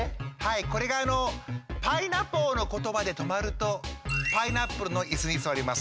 これが「パイナッポー」のことばで止まるとパイナップルのイスにすわります。